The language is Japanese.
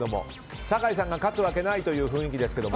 酒井さんが勝つわけないという雰囲気ですけど。